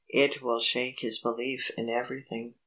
It will shake his belief in everything."